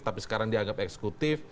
tapi sekarang dianggap eksekutif